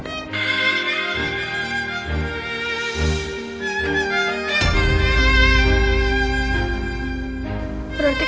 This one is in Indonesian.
berarti kalau anin cerai